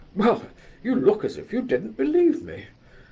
well... you look as if you didn't believe me....